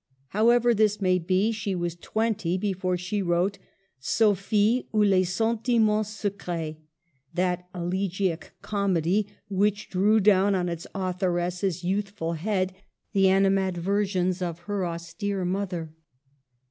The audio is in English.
However this may be, she was twenty before she wrote Sophie, ou les Sentiments Secrets, that elegiac " comedy " which drew down on its authoress's youthful head the animadversions of her austere mother.